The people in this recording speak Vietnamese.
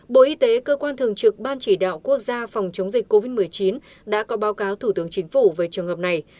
bộ y tế cơ quan thường trực ban chỉ đạo quốc gia phòng chống dịch covid một mươi chín đã có báo cáo thủ tướng chính phủ về trường hợp này